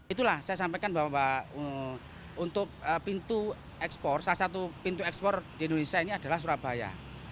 itulah saya sampaikan bahwa untuk pintu ekspor salah satu pintu ekspor di indonesia ini adalah surabaya